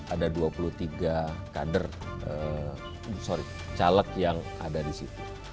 ada dua puluh tiga kader sorry caleg yang ada di situ